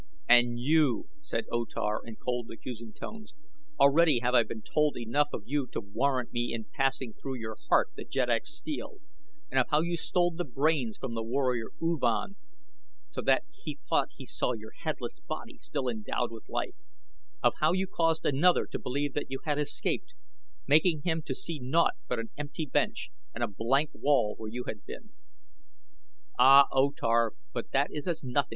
"And you!" said O Tar in cold accusing tones. "Already have I been told enough of you to warrant me in passing through your heart the jeddak's steel of how you stole the brains from the warrior U Van so that he thought he saw your headless body still endowed with life; of how you caused another to believe that you had escaped, making him to see naught but an empty bench and a blank wall where you had been." "Ah, O Tar, but that is as nothing!"